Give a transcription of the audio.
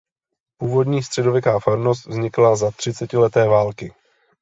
Původní středověká farnost zanikla za třicetileté války.